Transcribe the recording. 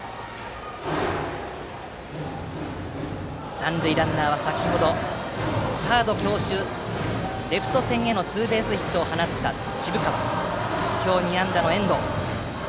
三塁ランナーは先程、サード強襲レフト線へのツーベースヒットを放った渋川。